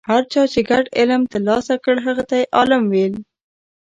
هر چا چې ګډ علم ترلاسه کړ هغه ته یې عالم ویل.